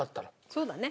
そうだね。